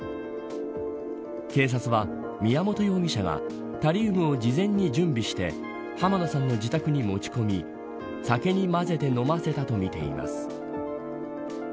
警察は宮本容疑者がタリウムを事前に準備して濱野さんの自宅に持ち込み酒に混ぜて飲ませたとみています。